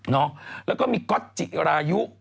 แล้วก็มีก๊อตจิรายุ